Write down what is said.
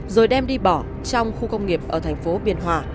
rồi đem đi bỏ trong khu công nghiệp ở thành phố biên hòa